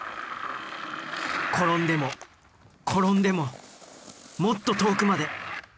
転んでも転んでももっと遠くまで！